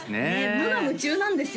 無我夢中なんですよ